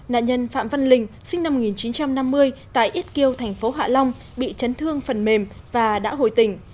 nạn nhân phạm văn linh sinh năm một nghìn chín trăm năm mươi tại yết kiêu thành phố hạ long bị chấn thương phần mềm và đã hồi tình